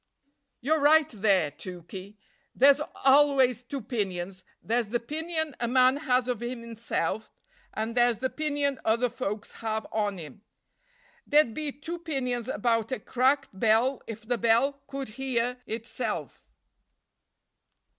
"You're right there, Tookey; there's allays two 'pinions: there's the 'pinion a man has of himsen, and there's the 'pinion other folks have on him. There'd be two 'pinions about a cracked bell if the bell could hear itself."